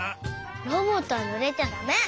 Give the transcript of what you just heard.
ロボットはぬれちゃだめ！